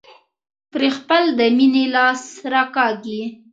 پرې خپل د مينې لاس راکاږي.